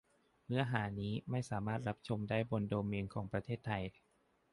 เนื้อหานี้ไม่สามารถรับชมได้บนโดเมนของประเทศนี้